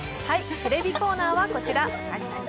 テレビコーナーはこちら。